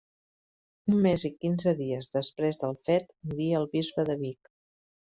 Un mes i quinze dies després del fet moria el bisbe de Vic.